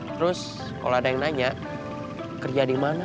terus kalau ada yang nanya kerja di mana